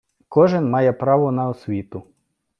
Кожен має право на освіту.